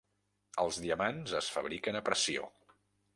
Els diamants es fabriquen a pressió.